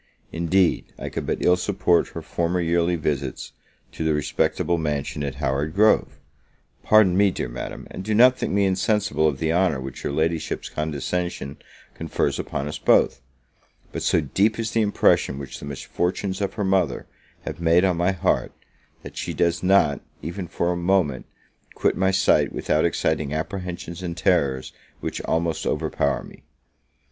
Indeed, I could but ill support her former yearly visits to the respectable mansion at Howard Grove: pardon me, dear Madam, and do not think me insensible of the honour which your Ladyship's condescension confers upon us both; but so deep is the impression which the misfortunes of her mother have made on my heart, that she does not, even for a moment, quit my sight without exciting apprehensions and terrors which almost overpower me.